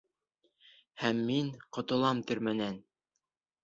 Һәм мин ҡотолам төрмәнән!